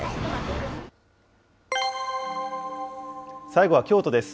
最後は京都です。